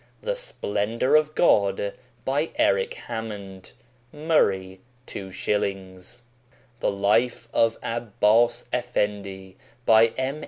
The Splendour of God by Eric Hammond. MURRAY. 2s. The Life of Abbas Effendi by M.